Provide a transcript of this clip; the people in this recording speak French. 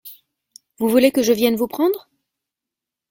Vous voulez que je vienne vous prendre ?